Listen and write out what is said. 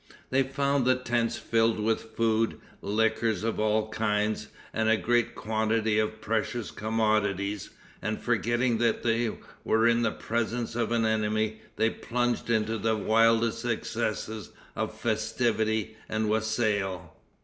They found the tents filled with food, liquors of all kinds and a great quantity of precious commodities, and forgetting they were in the presence of an enemy, they plunged into the wildest excesses of festivity and wassail.